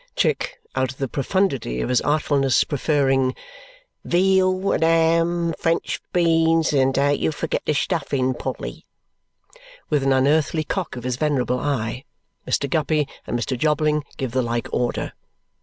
Chick, out of the profundity of his artfulness, preferring "veal and ham and French beans and don't you forget the stuffing, Polly" (with an unearthly cock of his venerable eye), Mr. Guppy and Mr. Jobling give the like order.